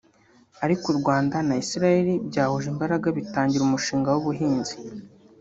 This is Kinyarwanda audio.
Ariko u Rwanda na Isiraheli byahuje imbaraga bitangira umushinga w’ubuhinzi